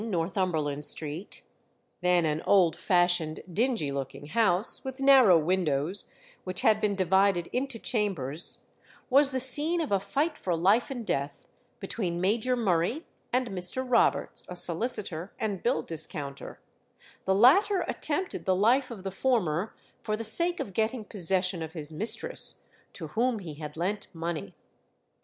16 Northumberland Street, then an old fashioned, dingy looking house, with narrow windows, which had been divided into chambers, was the scene of a fight for life and death between Major Murray and Mr. Roberts, a solicitor and bill discounter; the latter attempted the life of the former for the sake of getting possession of his mistress, to whom he had lent money.